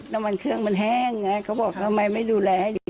น้ำมันเครื่องมันแห้งไงเขาบอกทำไมไม่ดูแลให้ดี